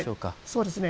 そうですね。